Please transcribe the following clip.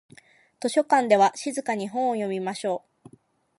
図書館では静かに本を読みましょう。